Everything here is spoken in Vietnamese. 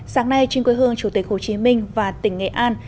sáng nay trên quê hương chủ tịch hồ chí minh và tỉnh nghệ an